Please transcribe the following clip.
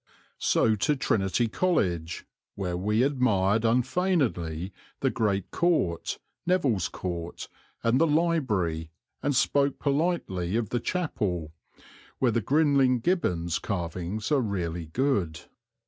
So to Trinity College, where we admired unfeignedly the Great Court, Nevile's Court and the Library, and spoke politely of the chapel, where the Grinling Gibbons' carvings are really good.